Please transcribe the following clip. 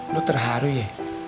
lu terharu ya